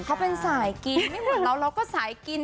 เขาเป็นสายกินไม่เหมือนเราเราก็สายกิน